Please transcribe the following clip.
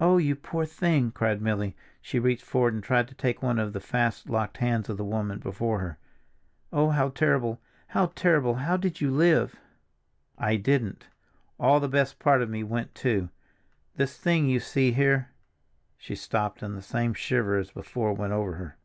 "Oh, you poor thing!" cried Milly. She reached forward and tried to take one of the fast locked hands of the woman before her. "Oh, how terrible, how terrible! How did you live?" "I didn't; all the best part of me went too, this thing you see here—" she stopped, and the same shiver as before went over her.